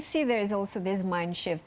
sekarang apakah anda melihat